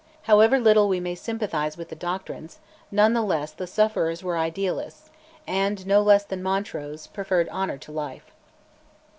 However little we may sympathise with the doctrines, none the less the sufferers were idealists, and, no less than Montrose, preferred honour to life.